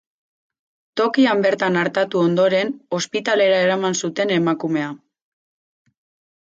Tokian bertan artatu ondoren, ospitalera eraman zuten emakumea.